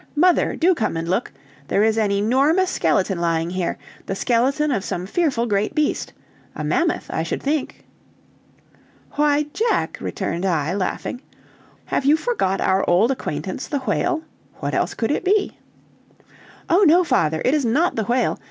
Mother! do come and look. There is an enormous skeleton lying here; the skeleton of some fearful great beast a mammoth, I should think." "Why, Jack!" returned I, laughing, "have you forgot our old acquaintance, the whale? What else could it be?" "Oh, no, father, it is not the whale.